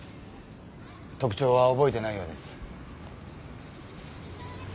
特徴は覚えてないようです。